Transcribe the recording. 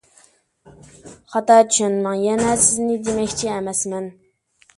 خاتا چۈشەنمەڭ يەنە، سىزنى دېمەكچى ئەمەسمەن.